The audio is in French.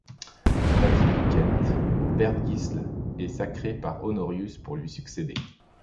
Un natif du Kent, Berhtgisl, est sacré par Honorius pour lui succéder.